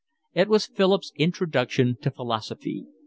It was Philip's introduction to philosophy.